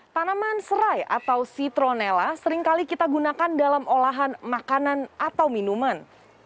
tanaman serai atau citronella seringkali kita gunakan dalam olahan makanan atau minuman